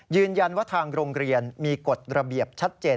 ยืนยันว่าทางโรงเรียนมีกฎระเบียบชัดเจน